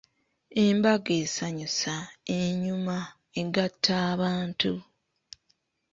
"Embaga esanyusa, enyuma, egatta abantu."